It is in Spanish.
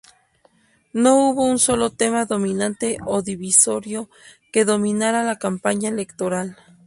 No hubo un solo tema dominante o divisorio que dominara la campaña electoral.